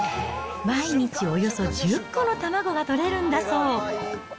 毎日およそ１０個の卵がとれるんだそう。